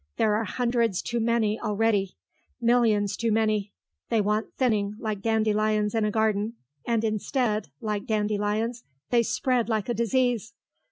There are hundreds too many already; millions too many. They want thinning, like dandelions in a garden, and instead, like dandelions, they spread like a disease.